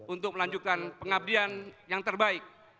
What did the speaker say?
untuk melanjutkan pengabdian yang terbaik